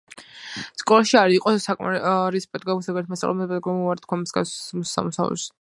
სკოლაში არ იყო საკმარისი პედაგოგები, ზოგიერთმა მოწვეულმა პედაგოგმა უარი თქვა მსგავს სამუშაოზე.